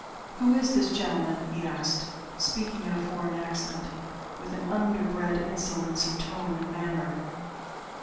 "Who is this gentleman?" he asked, speaking in a foreign accent, with an under bred insolence of tone and manner.